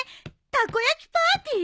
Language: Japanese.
たこ焼きパーティー？